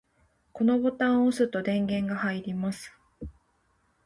このボタンを押すと電源が入ります。